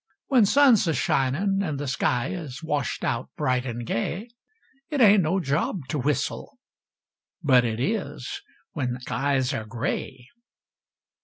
When sun's a shinin' an' th' sky Is washed out bright an' gay, It ain't no job to whistle but It is When skies air gray!